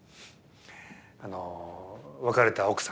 あの別れた奥さん。